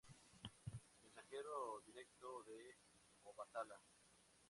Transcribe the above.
Mensajero directo de Obatalá.